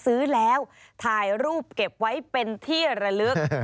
ซื้อแล้วถ่ายรูปเก็บไว้เป็นที่ระลึก